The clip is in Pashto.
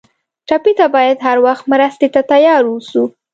ټپي ته باید هر وخت مرستې ته تیار ووسو.